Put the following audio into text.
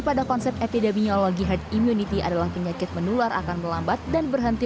pada konsep epidemiologi herd immunity adalah penyakit menular akan melambat dan berhenti